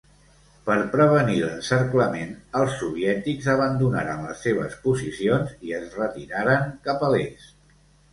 Per prevenir l'encerclament, els soviètics abandonaren les seves posicions i es retiraren cap a l'est.